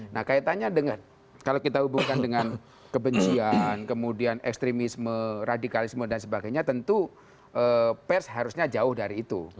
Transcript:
nah kaitannya dengan kalau kita hubungkan dengan kebencian kemudian ekstremisme radikalisme dan sebagainya tentu pers harusnya jauh dari itu